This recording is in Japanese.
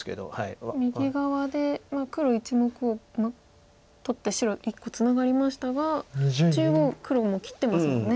右側で黒１目を取って白１個ツナがりましたが中央黒も切ってますもんね。